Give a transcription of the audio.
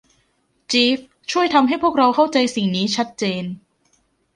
จีฟส์ ช่วยทำให้พวกเราเข้าใจสิ่งนี้ชัดเจน